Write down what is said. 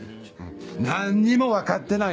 何にも分かってないよね。